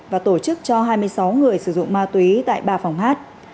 và tổ chức cho hai mươi sáu người sử dụng ma túy tại ba phòng hát